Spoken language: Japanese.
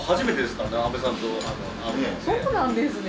・そうなんですね。